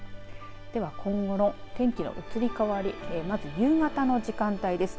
では今後の天気の移り変わりまず、夕方の時間帯です。